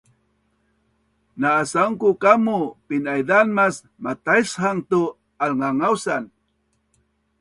na asaun ku kamu pin-aizaan mas mataishang tu alngangausan